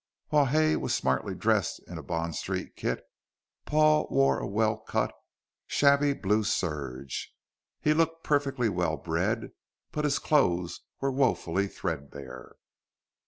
While Hay was smartly dressed in a Bond Street kit, Paul wore a well cut, shabby blue serge. He looked perfectly well bred, but his clothes were woefully threadbare.